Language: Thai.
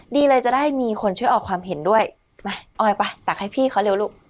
ดีเลยจะได้มีคนช่วยออกความเห็นด้วยมาออยป่ะตักให้พี่เขาเร็วลูก